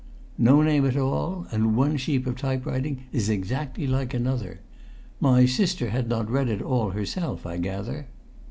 "No name at all. And one sheet of type writing is exactly like another. My sister had not read it all herself, I gather?"